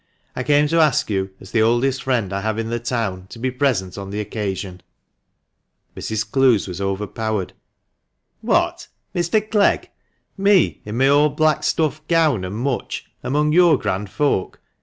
I came to ask you, as the oldest friend I have in the town, to be present on the occasion." Mrs. Clowes was overpowered. "What! Mr. Clegg ! Me, in my old black stuff gown and mutch, among your grand folk